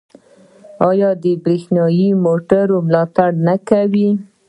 آیا د بریښنايي موټرو ملاتړ نه کوي؟